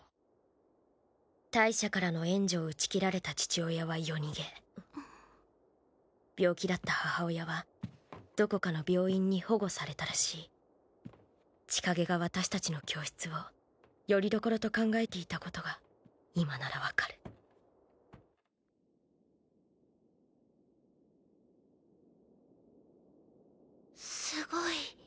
大社からの援助を打ち切られた父親は夜逃げ病気だった母親はどこかの病院に保護されたらしい千景が私たちの教室をよりどころと考えていたことが今なら分かるすごい。